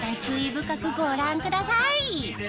深くご覧ください